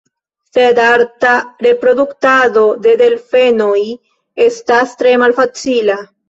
Sed arta reproduktado de delfenoj estas tre malfacila.